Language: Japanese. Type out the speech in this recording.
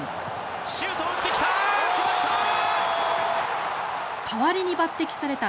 シュートを打ってきた！